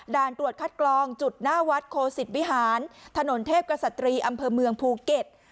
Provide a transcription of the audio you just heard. ตรวจคัดกรองจุดหน้าวัดโคสิตวิหารถนนเทพกษัตรีอำเภอเมืองภูเก็ต